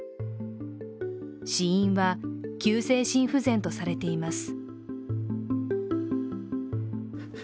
死因は急性心不全とされています。